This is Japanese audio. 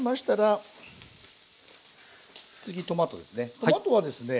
トマトはですね